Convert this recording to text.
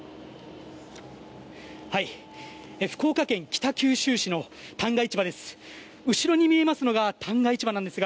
福岡県北九州市の旦過市場です。